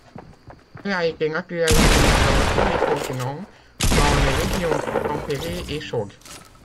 Elle a été naturalisée dans tous les continents, dans les régions tempérées et chaudes.